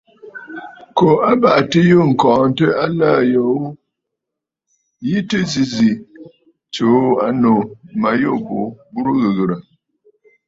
Kǒ abàʼati yû ŋ̀kɔɔntə aləə̀ yo ghu, ǹyi tɨ yǐ zì ǹtsuu ànnù ma yû bǔ burə ghɨghɨ̀rə̀!